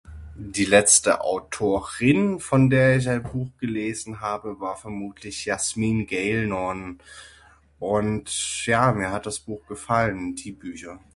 Die letzte Autorin von der ich ein Buch gelesen habe war vermutlich Yasmine Galenorn und ja mir hat das Buch gefallen, die Bücher.